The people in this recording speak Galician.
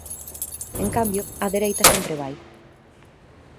En cambio, a dereita sempre vai.